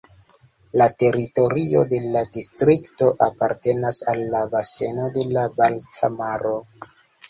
La teritorio de la distrikto apartenas al la baseno de la Balta Maro.